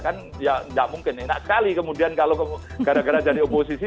kan ya nggak mungkin enak sekali kemudian kalau gara gara jadi oposisi